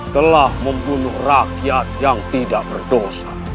telah membunuh rakyat yang tidak berdosa